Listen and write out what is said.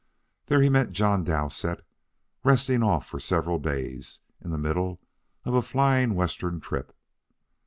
There he met John Dowsett, resting off for several days in the middle of a flying western trip.